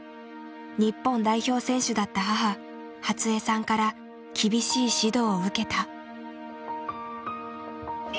日本代表選手だった母初江さんから厳しい指導を受けた。